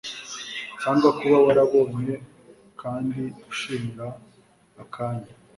Cyangwa kuba warabonye kandi ushimira akanya